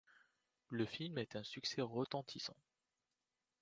Le film est un succès retentissant.